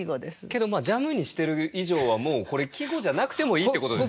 けどジャムにしてる以上はもうこれ季語じゃなくてもいいってことですよね。